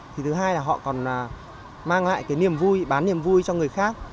thì thứ hai là họ còn mang lại cái niềm vui bán niềm vui cho người khác